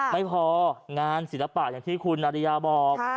ไม่พองานศิลปะอย่างที่คุณอริยาบอก